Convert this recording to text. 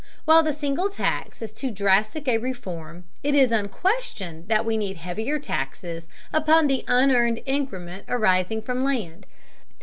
While the single tax is too drastic a reform, it is unquestioned that we need heavier taxes upon the unearned increment arising from land.